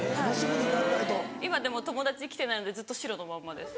今でも友達来てないのでずっと白のまんまです。